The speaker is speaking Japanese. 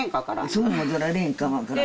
そう戻られんかも分からん